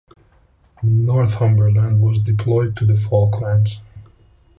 "Northumberland" was deployed to the Falklands.